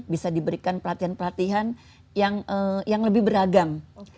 bisa diberikan pelatihan pelatihan yang lebih beragam